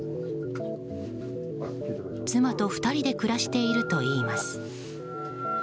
妻と２人で暮らしているといいます。